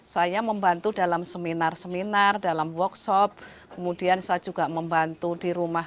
saya membantu dalam seminar seminar dalam workshop kemudian saya juga membantu di rumah